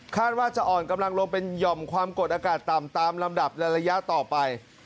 ว่าจะอ่อนกำลังลงเป็นหย่อมความกดอากาศต่ำตามลำดับในระยะต่อไป